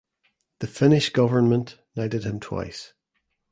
The Finnish government knighted him twice.